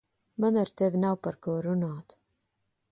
Man ar tevi nav par ko runāt.